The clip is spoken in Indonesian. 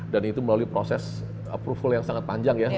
dan itu melalui proses approval yang sangat panjang ya